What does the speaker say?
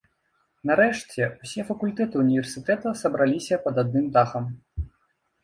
Нарэшце ўсе факультэты ўніверсітэта сабраліся пад адным дахам.